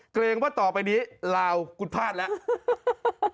เกรงว่าต่อไปนี้ลาวกุฏภาษณ์แล้ว